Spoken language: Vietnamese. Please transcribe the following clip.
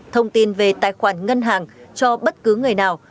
thông tin về tài khoản ngân hàng cho bất cứ người nào